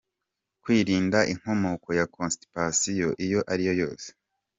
Kwirinda inkomoko ya constipation iyo ariyo yose.